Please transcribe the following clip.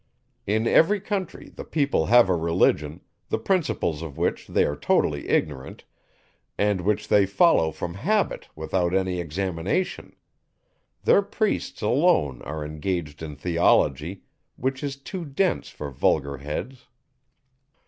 In every country, the people have a religion, the principles of which they are totally ignorant, and which they follow from habit without any examination: their priests alone are engaged in theology, which is too dense for vulgar heads.